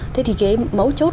thế thì cái mấu chốt